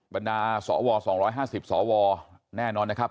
บรรดาสว๒๕๐สวแน่นอนนะครับ